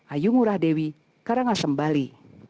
ayu ngurah dewi karangasem bali